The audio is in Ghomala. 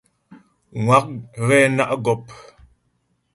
Ŋwa' ghɛ ná' gɔ́p.